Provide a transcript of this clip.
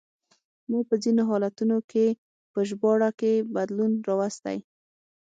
ما په ځینو حالتونو کې په ژباړه کې بدلون راوستی.